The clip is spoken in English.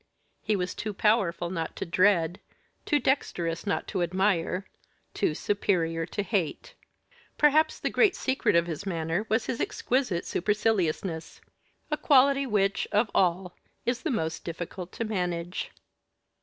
He was too powerful not to dread, too dexterous not to admire, too superior to hate. Perhaps the great secret of his manner was his exquisite superciliousness; a quality which, of all, is the most difficult to manage.